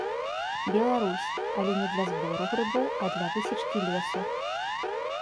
Беларусь, але не для збору грыбоў, а для высечкі лесу.